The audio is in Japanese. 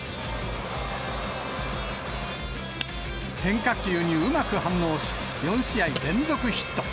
変化球にうまく反応し、４試合連続ヒット。